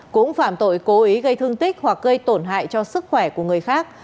cũng phạm tội cố ý gây thương tích hoặc gây tổn hại cho sức khỏe của người khác